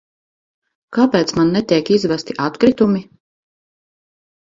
Kāpēc man netiek izvesti atkritumi?